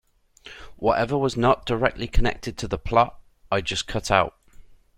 Whatever was not directly connected to the plot, I just cut out.